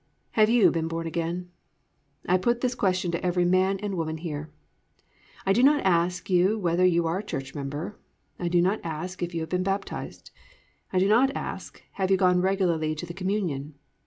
Have you been born again? I put this question to every man and woman here. I do not ask you whether you are a church member. I do not ask if you have been baptised. I do not ask, have you gone regularly to the communion.